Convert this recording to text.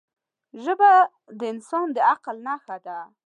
ژبه د انسان د عقل نښه ده